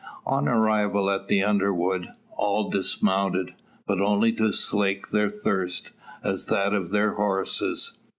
On arrival at the underwood, all dismount; but only to slake their thirst, as that of their horses.